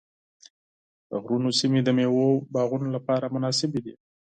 د غرونو سیمې د مېوو باغونو لپاره مناسبې دي.